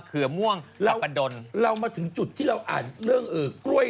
คือมันรุ่นเนี่ยไงรถเนี่ย